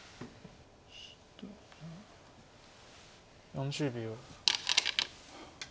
４０秒。